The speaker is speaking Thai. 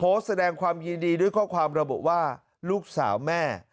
แสดงความยินดีด้วยข้อความระบุว่าลูกสาวแม่